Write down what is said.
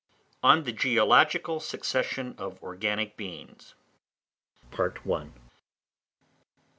ON THE GEOLOGICAL SUCCESSION OF ORGANIC BEINGS.